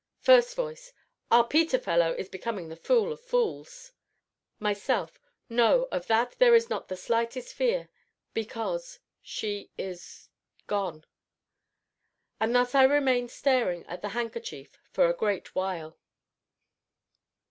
FIRST VOICE. Our Peter fellow is becoming the fool of fools! MYSELF. No, of that there is not the slightest fear, because she is gone. And thus I remained staring at the handkerchief for a great while.